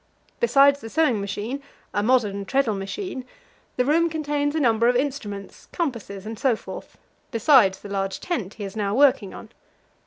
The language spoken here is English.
Besides the sewing machine a modern treadle machine the room contains a number of instruments, compasses, and so forth, besides the large tent he is now working on.